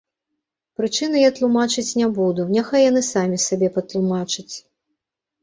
Прычыны я тлумачыць не буду, няхай яны самі сабе патлумачыць.